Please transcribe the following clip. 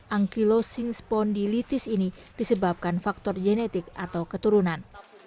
ankylosing spondylitis ini disebabkan faktor genetik atau keturunan